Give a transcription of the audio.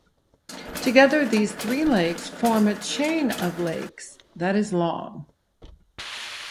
Together these three lakes form a chain of lakes that is long.